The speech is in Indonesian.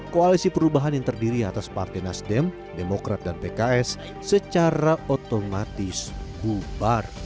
koalisi perubahan yang terdiri atas partai nasdem demokrat dan pks secara otomatis bubar